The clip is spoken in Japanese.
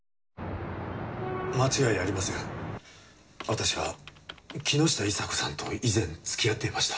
私は木下伊沙子さんと以前付き合っていました。